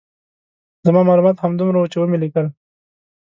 زما معلومات همدومره وو چې ومې لیکل.